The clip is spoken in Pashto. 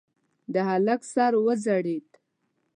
د هلک سر وځړېد.